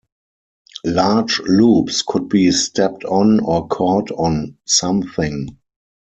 Large loops could be stepped on or caught on something.